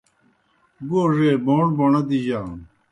گوڙے بوݨ بوݨہ دِجَانوْ۔